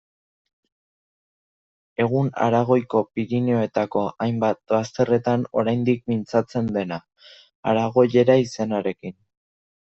Egun Aragoiko Pirinioetako hainbat bazterretan oraindik mintzatzen dena, aragoiera izenarekin.